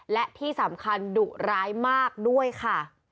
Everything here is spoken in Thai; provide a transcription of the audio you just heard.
และที่สำคัญดุร้ายมากด้วยค่ะ